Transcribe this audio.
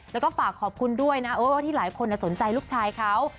แล้วก็ฝากขอบคุณด้วยนะว่าที่หลายคนสนใจลูกชายเขา